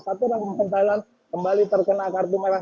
satu orang pemain thailand kembali terkena kartu merah